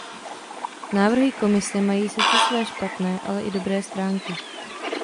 Návrhy Komise mají sice své špatné, ale i dobré stránky.